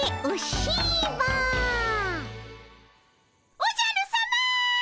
おじゃるさま。